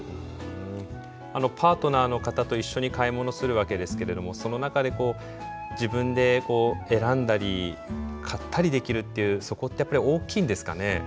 あのパートナーの方と一緒に買い物するわけですけれどもその中でこう自分で選んだり買ったりできるっていうそこってやっぱり大きいんですかね？